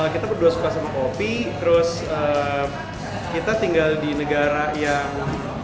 kita berdua suka sama kopi terus kita tinggal di negara yang